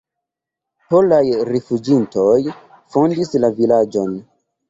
Polaj rifuĝintoj fondis la vilaĝon.